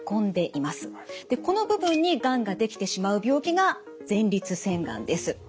この部分にがんが出来てしまう病気が前立腺がんです。